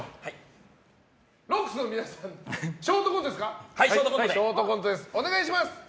ロックスの皆さんのショートコントです。